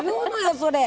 それ。